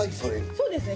そうですね。